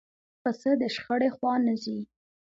پسه د شخړې خوا نه ځي.